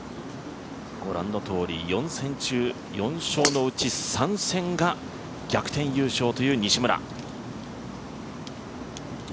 ４戦中４勝のうち３戦が逆転優勝という西村。